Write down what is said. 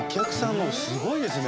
もうスゴいですね